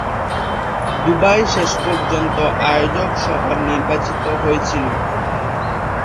Dubai শেষ পর্যন্ত আয়োজক শহর নির্বাচিত হয়েছিল।